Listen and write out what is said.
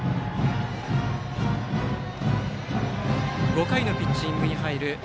５回のピッチングに入る